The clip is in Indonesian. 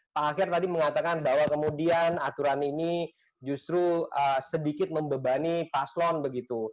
pak akher tadi mengatakan bahwa kemudian aturan ini justru sedikit membebani pak slon begitu